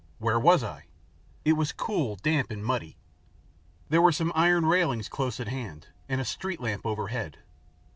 Where was I! It was cool, damp, and muddy. There were some iron railings close at hand and a street lamp overhead.